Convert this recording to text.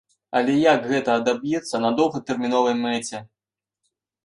Але як гэта адаб'ецца на доўгатэрміновай мэце?